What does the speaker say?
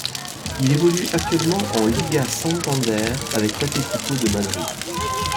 Il évolue actuellement en Liga Santander avec l'Atlético de Madrid.